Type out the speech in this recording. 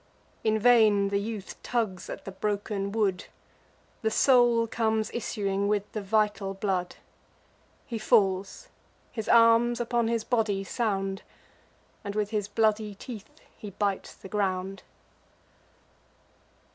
In vain the youth tugs at the broken wood; The soul comes issuing with the vital blood: He falls; his arms upon his body sound; And with his bloody teeth he bites the ground.